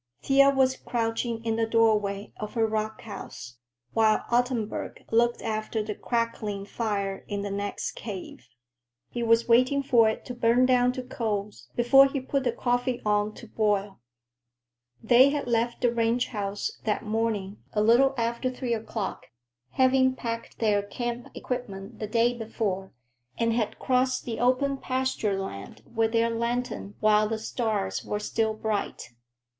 Thea was crouching in the doorway of her rock house, while Ottenburg looked after the crackling fire in the next cave. He was waiting for it to burn down to coals before he put the coffee on to boil. They had left the ranch house that morning a little after three o'clock, having packed their camp equipment the day before, and had crossed the open pasture land with their lantern while the stars were still bright.